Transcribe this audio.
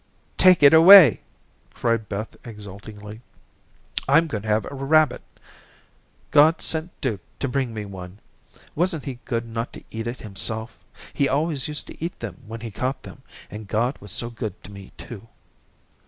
"Take it away," cried Beth exultingly. "I'm going to have a rabbit. God sent Duke to bring me one. Wasn't he good not to eat it himself he always used to eat them when he caught them, and God was so good to me, too."